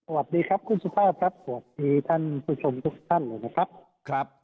สวัสดีครับคุณสุภาพครับสวัสดีท่านผู้ชมทุกท่านเลยนะครับครับ